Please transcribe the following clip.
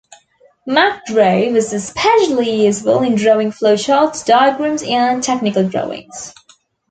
MacDraw was especially useful in drawing flowcharts, diagrams and technical drawings.